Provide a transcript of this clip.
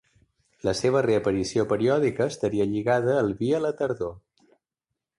La seva reaparició periòdica estaria lligada al vi a la tardor.